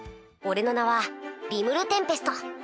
俺の名はリムル＝テンペスト。